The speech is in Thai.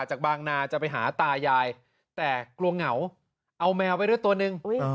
จากบางนาจะไปหาตายายแต่กลัวเหงาเอาแมวไปด้วยตัวหนึ่ง